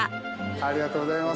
ありがとうございます。